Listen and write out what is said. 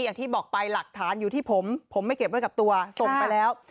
อย่างที่บอกไปหลักฐานอยู่ที่ผมผมไม่เก็บไว้กับตัวส่งไปแล้ว